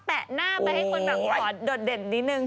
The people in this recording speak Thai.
แปะหน้าไปให้คนแบบขอโดดเด่นนิดนึง